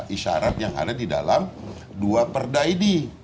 isyarat yang ada di dalam dua perda ini